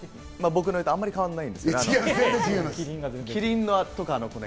僕の絵とあまり変わらないんですけど。